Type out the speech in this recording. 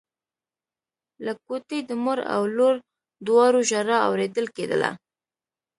له کوټې د مور او لور دواړو ژړا اورېدل کېدله.